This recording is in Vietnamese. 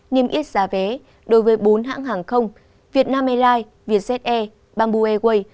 niêm yết giá vé đối với bốn hãng hàng không việt nam airlines vietjet air bamboo airways